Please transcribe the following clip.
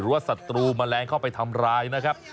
ว่าศัตรูแมลงเข้าไปทำร้ายนะครับ